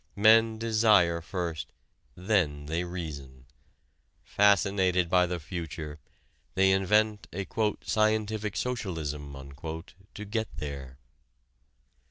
Men desire first, then they reason; fascinated by the future, they invent a "scientific socialism" to get there.